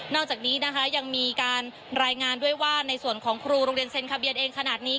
จากนี้นะคะยังมีการรายงานด้วยว่าในส่วนของครูโรงเรียนเซ็นทะเบียนเองขนาดนี้